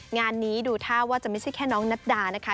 งานนี้ดูท่าว่าจะไม่ใช่แค่น้องนัดดานะคะ